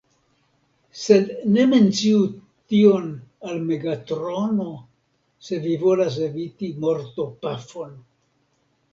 Sed ne menciu tion al Megatrono, se vi volas eviti mortopafon!